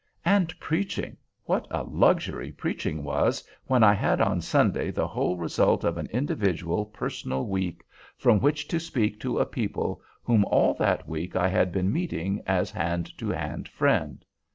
And preaching! what a luxury preaching was when I had on Sunday the whole result of an individual, personal week, from which to speak to a people whom all that week I had been meeting as hand to hand friend!